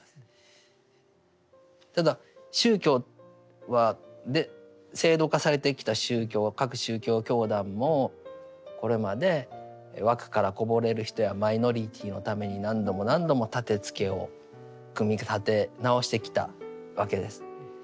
ただ宗教は制度化されてきた宗教は各宗教教団もこれまで枠からこぼれる人やマイノリティーのために何度も何度も立てつけを組み立て直してきたわけです。